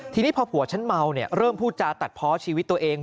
ทีนี้พอผัวฉันเมาเนี่ยเริ่มพูดจาตัดเพาะชีวิตตัวเอง